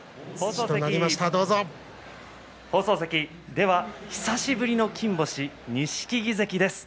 では、久しぶりの金星錦木関です。